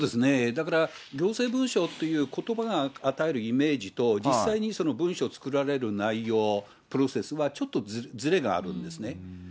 だから、行政文書ということばが与えるイメージと、実際にその文書を作られる内容、プロセスはちょっとずれがあるんですね。